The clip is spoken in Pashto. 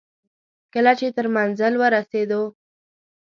کله چې تر منزل ورسېدو.